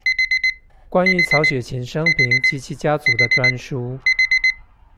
關於曹雪芹生平及其家族的專書